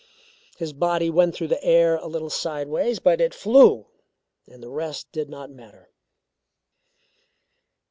His body went through the air a little sideways but it flew, and the rest did not matter.